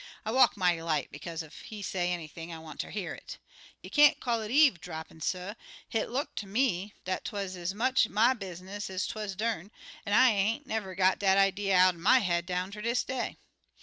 I walk mighty light, bekaze ef he say anything I want ter hear it. You can't call it eave drappin', suh; hit look ter me dat 'twuz ez much my business ez 'twuz dern, an' I ain't never got dat idee out'n my head down ter dis day.